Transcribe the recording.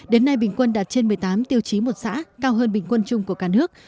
đến nay bình quân đạt trên một mươi tám tiêu chí một xã cao hơn bình quân chung của cả nước